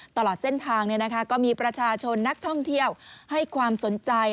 ตลอดเส้นทางก็มีประชาชนนักท่องเที่ยวให้ความสนใจ